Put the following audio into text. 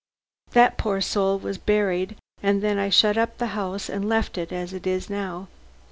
That poor soul was buried, and then I shut up the house and left it as it is now.